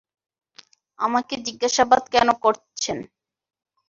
আমাকে জিজ্ঞাসাবাদ করছেন কেন?